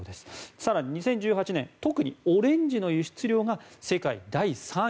更に２０１８年オレンジの輸出量が世界第３位。